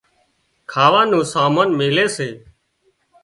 کاوا نُون سامان ميلي سي